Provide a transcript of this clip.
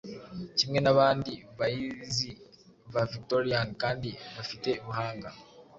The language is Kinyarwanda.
Kimwe nabandi baizi ba Victorian-kandi bafite buhanga